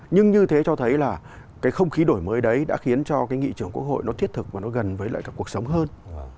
nhưng như thế cho thấy là cái không khí đổi mới đấy đã khiến cho cái nghị trưởng quốc hội nó thiết thực và nó gần với lại cả cuộc sống hơn